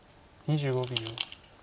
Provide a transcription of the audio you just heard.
２５秒。